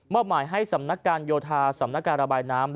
หมายให้สำนักการโยธาสำนักการระบายน้ำ